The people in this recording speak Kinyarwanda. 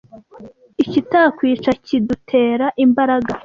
Ikitatwica kidutera imbaraga.